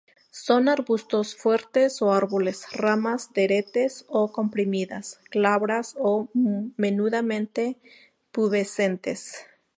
Son arbustos fuertes o árboles, ramas teretes o comprimidas, glabras o menudamente pubescentes.